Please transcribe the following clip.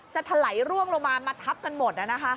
ถลายร่วงลงมามาทับกันหมด